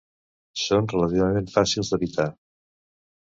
Són relativament fàcils d'evitar.